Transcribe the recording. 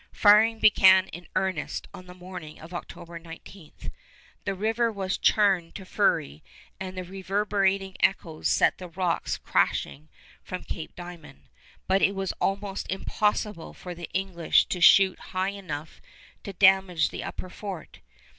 Firing began in earnest on the morning of October 19. The river was churned to fury and the reverberating echoes set the rocks crashing from Cape Diamond, but it was almost impossible for the English to shoot high enough to damage the upper fort.